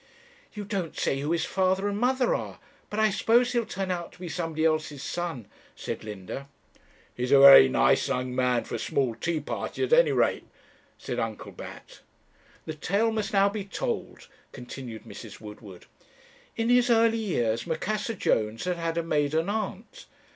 'You don't say who his father and mother are; but I suppose he'll turn out to be somebody else's son,' said Linda. 'He's a very nice young man for a small tea party, at any rate,' said Uncle Bat. "The tale must now be told," continued Mrs. Woodward. "In his early years Macassar Jones had had a maiden aunt.